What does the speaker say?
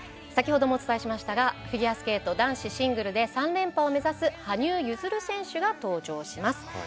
先ほどもお伝えしましたがフィギュアスケート男子シングルで３連覇を目指す羽生結弦選手が登場します。